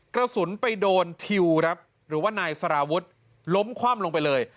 กระสุนไปโดนหรือว่านายสาราวุธล้มคว่ำลงไปเลย